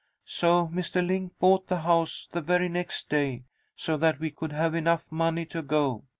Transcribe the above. So Mr. Link bought the house the very next day, so that we could have enough money to go.